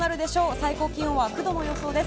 最高気温は９度の予想です。